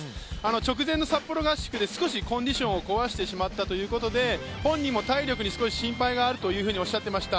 直前の札幌合宿で、少しコンディションを壊してしまったということで本人も体力に少し心配があるというふうにおっしゃっていました。